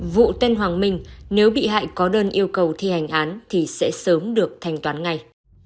vụ tên hoàng minh nếu bị hại có đơn yêu cầu thi hành án thì sẽ sớm được thanh toán ngay